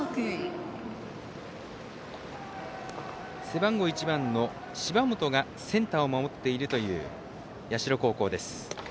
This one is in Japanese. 背番号１番の芝本がセンターを守っているという社高校です。